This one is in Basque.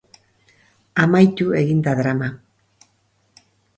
Amaitu egin da drama.